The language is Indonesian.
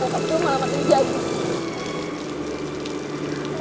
pokoknya gue udah berubah